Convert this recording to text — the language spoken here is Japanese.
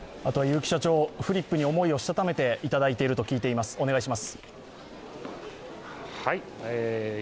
フリップに思いをしたためていただいていると聞いていますので、お願いします。